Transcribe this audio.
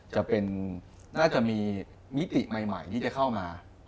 น่าจะมีมิติใหม่ที่จะเข้ามา